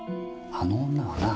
あの女はな。